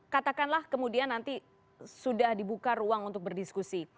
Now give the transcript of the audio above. katakanlah kemudian nanti sudah dibuka ruang untuk berdiskusi